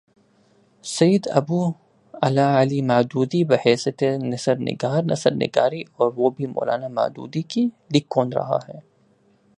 سید ابو الاعلی مودودی، بحیثیت نثر نگار نثر نگاری اور وہ بھی مو لانا مودودی کی! لکھ کون رہا ہے؟